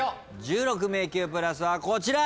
１６迷宮プラスはこちら。